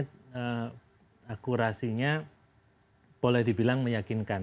tapi akurasinya boleh dibilang meyakinkan